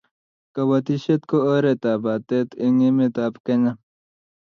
Kobotisiet ko oretap batet eng emetab Kenya